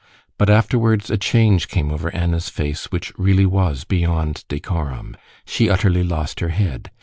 But afterwards a change came over Anna's face which really was beyond decorum. She utterly lost her head.